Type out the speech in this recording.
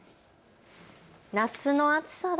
夏の暑さだ